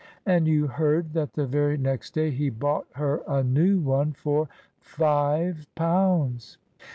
"And you heard that the very next day he bought her a new one for five pounds?"